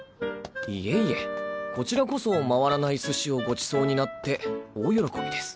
いえいえこちらこそ回らない寿司をごちそうになって大喜びです。